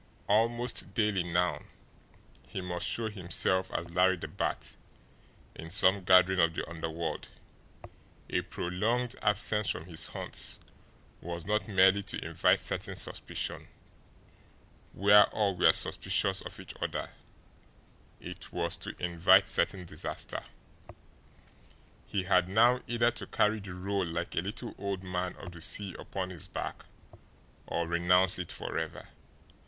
Almost daily now he must show himself as Larry the Bat in some gathering of the underworld a prolonged absence from his haunts was not merely to invite certain suspicion, where all were suspicious of each other, it was to invite certain disaster. He had now either to carry the role like a little old man of the sea upon his back, or renounce it forever.